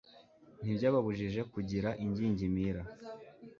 ntibyababujije kugira ingingimira